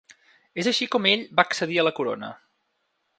És així com ell va accedir a la corona.